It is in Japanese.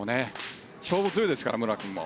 勝負強いですから、武良君も。